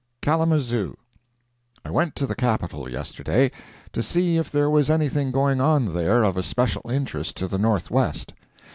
"KALAMAZOO" I went to the Capitol, yesterday, to see if there was anything going on there of especial interest to the Northwest.